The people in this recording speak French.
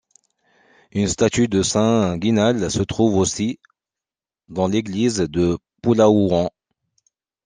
Une statue de saint Guinal se trouve aussi dans l'église de Poullaouen.